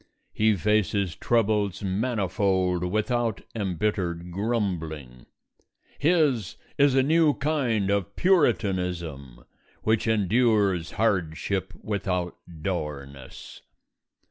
He faces troubles manifold without embittered grumbling. His is a new kind of Puritanism, which endures hardship without dourness.